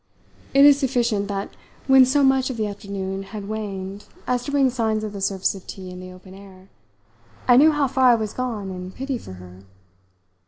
It is sufficient that when so much of the afternoon had waned as to bring signs of the service of tea in the open air, I knew how far I was gone in pity for her.